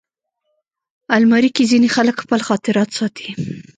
الماري کې ځینې خلک خپل خاطرات ساتي